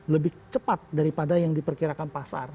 lebih cepat daripada yang diperkirakan pasar